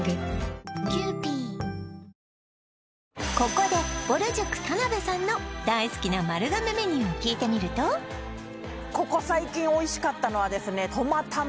ここでぼる塾田辺さんの大好きな丸亀メニューを聞いてみるとここ最近おいしかったのはですね